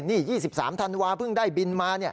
นี่๒๓ธันวาเพิ่งได้บินมา